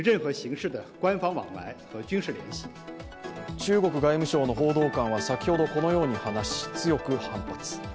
中国外務省の報道官は先ほどこのように話し強く反発。